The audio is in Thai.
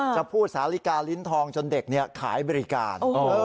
จะพูดสาลิกาลิ้นทองจนเด็กขายบริการ